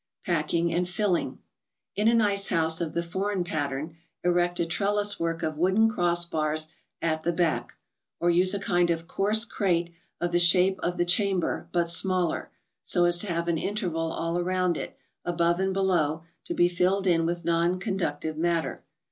Packing and Filling : In an ice house of the foreign pattern, erect a trellis work of wooden cross bars at the back; or use a kind of coarse crate of the shape of the chamber, but smaller, so as to have an interval all around it, above and below, to be filled in with non conductive matter.